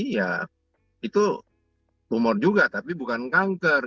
ya itu tumor juga tapi bukan kanker